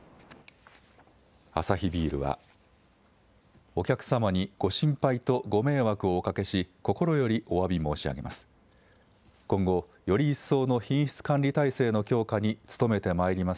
アサヒビールはお客様にご心配とご迷惑をおかけし心よりおわび申し上げます。